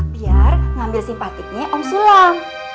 biar ngambil simpatiknya om sulam